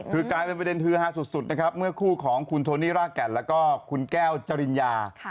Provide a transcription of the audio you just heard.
คือกลายเป็นประเด็นฮือฮาสุดนะครับเมื่อคู่ของคุณโทนี่รากแก่นแล้วก็คุณแก้วจริญญา